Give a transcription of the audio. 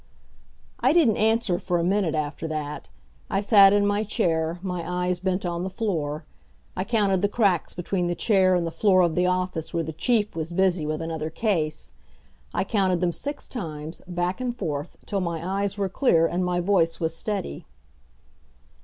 I didn't answer for a minute after that. I sat in my chair, my eyes bent on the floor. I counted the cracks between the chair and the floor of the office where the Chief was busy with another case. I counted them six times, back and forth, till my eyes were clear and my voice was steady.